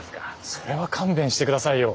それは勘弁してくださいよ。